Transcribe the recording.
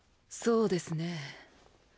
そうですねぇ。